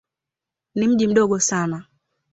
Ni mji mdogo sana.